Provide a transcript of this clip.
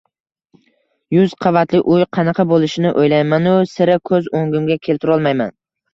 Yuz qavatli uy qanaqa bo‘lishini o‘ylaymanu sira ko‘z o‘ngimga keltirolmayman.